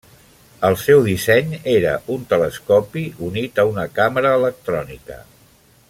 El seu disseny era un telescopi unit a una càmera electrònica.